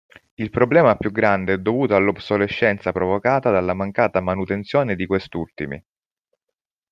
Il problema più grande è dovuto all'obsolescenza provocata dalla mancata manutenzione di quest'ultimi.